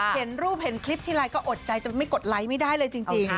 เห็นรูปเห็นคลิปทีไรก็อดใจจะไม่กดไลค์ไม่ได้เลยจริง